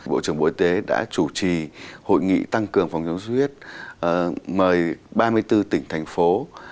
bộ trưởng bộ y tế đã chủ trì hội nghị tăng cường phòng chống xuất huyết mời ba mươi bốn tỉnh thành phố